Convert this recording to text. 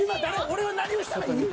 俺は何をしたらいい？